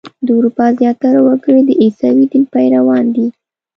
د اروپا زیاتره وګړي د عیسوي دین پیروان دي.